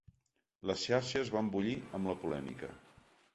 Les xarxes van bullir amb la polèmica.